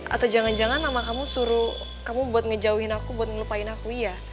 atau jangan jangan mama kamu suruh kamu buat ngejauhin aku buat ngelupain aku iya